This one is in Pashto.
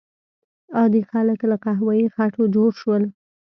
عادي خلک له قهوه یي خټو جوړ شول.